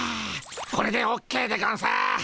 これでオッケーでゴンス。